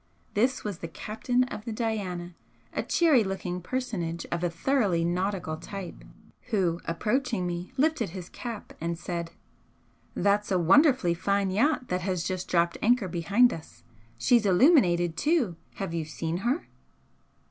This was the captain of the 'Diana,' a cheery looking personage of a thoroughly nautical type, who, approaching me, lifted his cap and said: "That's a wonderfully fine yacht that has just dropped anchor behind us. She's illuminated, too. Have you seen her?"